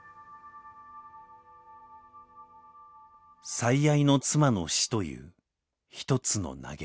最愛の妻の死という「一つの嘆き」。